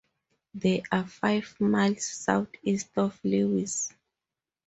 They are five miles south east of Lewis.